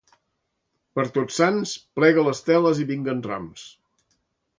Per Tots Sants, plega les teles i vinguen rams.